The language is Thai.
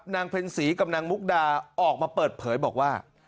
เพ็ญศรีกับนางมุกดาออกมาเปิดเผยบอกว่า